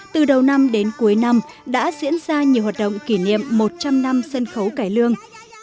từ đầu năm đến cuối năm đã diễn ra nhiều hoạt động kỷ niệm một trăm linh năm sân khấu cải lương